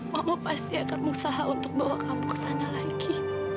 mama pasti akan berusaha untuk bawa kamu ke sana lagi